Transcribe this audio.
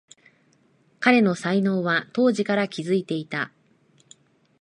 彼の才能は当時から気づいていた